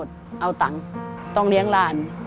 สวัสดีครับ